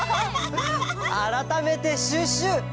あらためてシュッシュ。